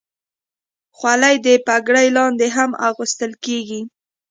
خولۍ د پګړۍ لاندې هم اغوستل کېږي.